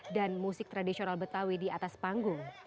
dan musik tradisional betawi di atas panggung